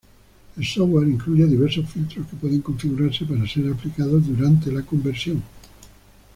El software incluye diversos filtros que pueden configurarse para ser aplicados durante la conversión.